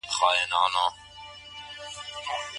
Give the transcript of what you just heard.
خاوند بايد خپلي مېرمني ته د ستايني خبري وکړي.